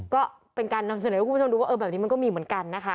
ก็เป็นการนำเสนอให้คุณผู้ชมดูว่าเออแบบนี้มันก็มีเหมือนกันนะคะ